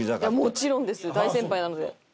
もちろんです大先輩なので。